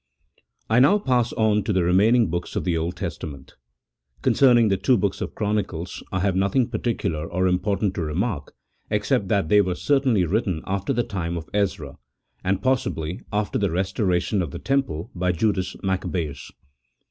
I NOW pass on to the remaining "books of the Old Tes tament. Concerning the two books of Chronicles I have nothing particular or important to remark, except that they were certainly written after the time of Ezra, and pos sibly after the restoration of the Temple by Jndas Macca bseus.